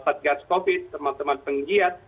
saat gas covid sembilan belas teman teman penggiat